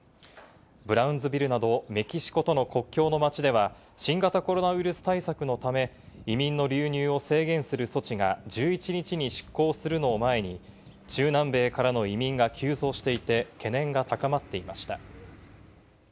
ブラウンズビルなどメキシコとの国境の町では新型コロナウイルス対策のため、移民の流入を制限する措置が１１日に執行するのを前に、中南米からの移民が急増していて、懸念が高まっています。